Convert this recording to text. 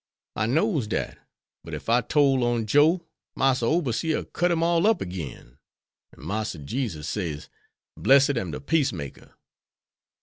'I know's dat, but ef I tole on Joe, Massa oberseer cut him all up again, and Massa Jesus says, "Blessed am de Peacemaker."'